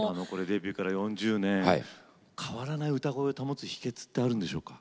デビューから４０年変わらない歌声を保つ秘けつってあるんでしょうか？